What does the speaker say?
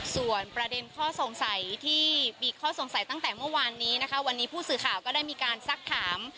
ส่วนประเด็นข้อสงสัยที่มีข้อสงสัยตั้งแต่เมื่อวานนี้นะคะวันนี้ผู้สื่อข่าวก็ได้มีการซักถาม